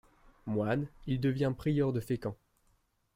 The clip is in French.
Moine, il devient prieur de Fécamp.